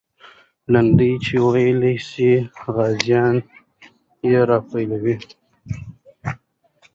لنډۍ چې ویلې سوې، غازیان یې راوپارول.